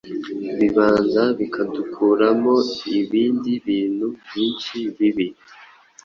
bibanza bikadukuramo ibindi bintu byinshi bibi.